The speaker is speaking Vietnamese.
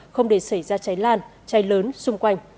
không để xảy ra cháy lan cháy lớn xung quanh